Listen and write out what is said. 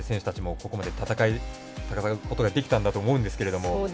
ここまで戦うことができたと思うんですけど。